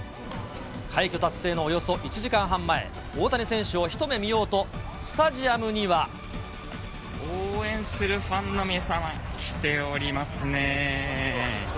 快挙達成のおよそ１時間半前、大谷選手を一目見ようと、スタジアムには。応援するファンの皆さんが来ておりますねー。